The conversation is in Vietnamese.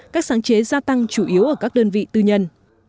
các sáng chế gia tăng chủ yếu ở các đơn vị tư nhân